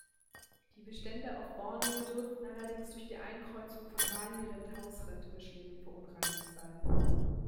Die Bestände auf Borneo dürften allerdings durch die Einkreuzung von Balirind-Hausrind-Mischlingen verunreinigt sein.